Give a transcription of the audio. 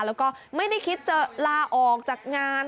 แล้วก็ไม่ได้คิดจะลาออกจากงาน